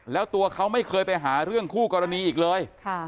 แล้วตัวเขาไม่เคยไปหาเรื่องคู่กรณีอีกเลย